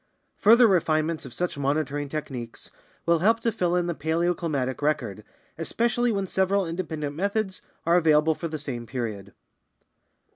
Further refinements of such monitoring tech niques will help to fill in the paleoclimatic record, especially when several independent methods are available for the same period.